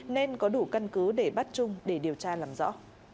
nên có đủ căn cứ để bắt chung để điều tra làm rõ